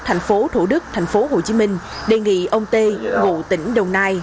thành phố thủ đức thành phố hồ chí minh đề nghị ông tê ngụ tỉnh đồng nai